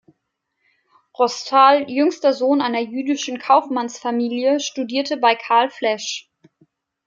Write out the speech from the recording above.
Rostal, jüngster Sohn einer jüdischen Kaufmannsfamilie, studierte bei Carl Flesch.